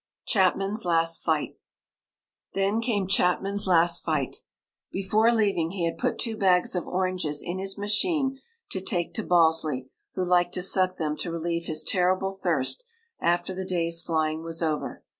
CHAPMAN'S LAST FIGHT Then came Chapman's last fight. Before leaving, he had put two bags of oranges in his machine to take to Balsley, who liked to suck them to relieve his terrible thirst, after the day's flying was over.